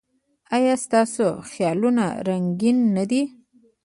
ایا ستاسو خیالونه رنګین نه دي؟